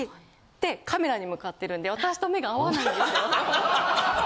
ってカメラに向かってるんで私と目が合わないんですよ。